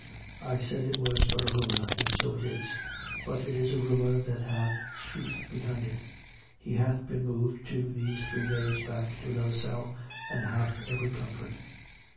I said it was but a rumour, and so it is; but it is a rumour that hath truth behind it. He hath been moved, too, these three days back, to another cell, and hath every comfort."